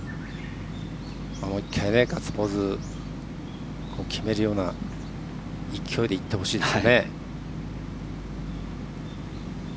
ガッツポーズを決めるような勢いでいってほしいです。